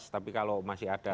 tapi kalau masih ada